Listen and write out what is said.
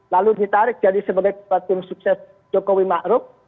lalu ditarik jadi sebagai tim sukses jokowi ma'ruf